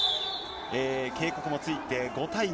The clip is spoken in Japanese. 警告もついて５対２。